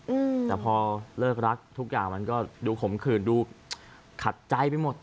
อืมแต่พอเลิกรักทุกอย่างมันก็ดูขมขื่นดูขัดใจไปหมด